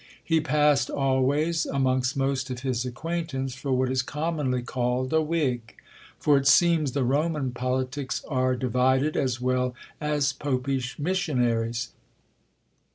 He passed always amongst most of his acquaintance for what is commonly called a Whig; for it seems the Roman politics are divided as well as popish missionaries.